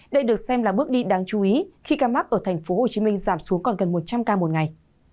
đây được xem là bước đi đáng chú ý khi ca mắc ở tp hcm giảm xuống còn gần một trăm linh ca một ngày